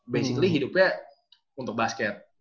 basically hidupnya untuk basket